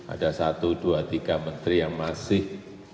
ada satu dua tiga menteri yang masih